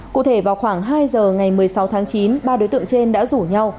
cụ thể vào khoảng hai giờ ngày một mươi sáu tháng chín ba đối tượng trên đã rủ nhau